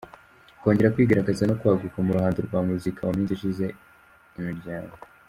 kongera kwigaragaza no kwaguka mu ruhando rwa muzika, mu minsi ishize imiryango.